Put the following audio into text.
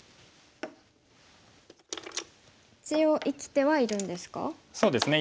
一応生きてはいるんですか？